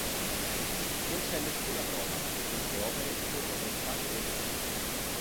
Non c'è nessuna prova che queste opere furono pensate come un ciclo.